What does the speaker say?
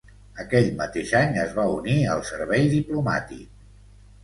Aquell mateix any es va unir al servei diplomàtic.